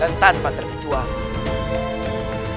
dan tanpa terkejuang